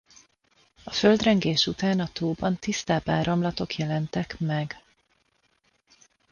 A földrengés után a tóban tisztább áramlatok jelentek meg.